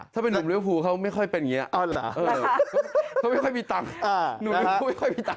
ถ้าเป็นนุ่มเรียวภูเขาไม่ค่อยเป็นอย่างงี้